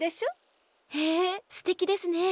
へえすてきですね。